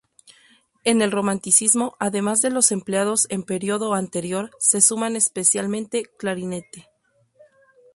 En el romanticismo además de los empleados en periodo anterior se suman especialmente clarinete.